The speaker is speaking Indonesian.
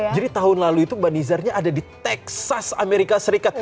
jadi tahun lalu itu mbak nizarnya ada di texas amerika serikat